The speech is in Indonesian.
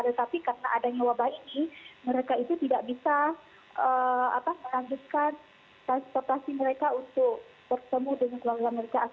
tetapi karena adanya wabah ini mereka itu tidak bisa melanjutkan transportasi mereka untuk bertemu dengan keluarga mereka